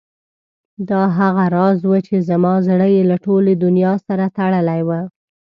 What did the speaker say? دا هغه راز و چې زما زړه یې له ټولې دنیا سره تړلی و.